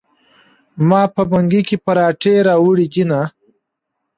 ما په منګي کې پراټې راوړي دینه.